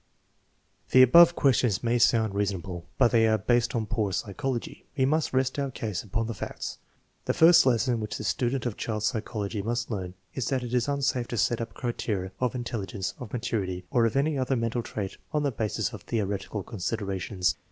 The above questions may sound reasonable, but they are based on poor psychology. We must rest our case upon the facts. The first lesson which the student of child psychology must learn is that it is unsafe to set up criteria of intelli gence, of maturity, or of any other mental trait on the basis of theoretical considerations.